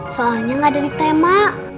soalnya gak ada di tema